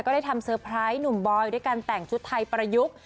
ได้ทำเซอร์ไพรส์หนุ่มบอยด้วยการแต่งชุดไทยประยุกต์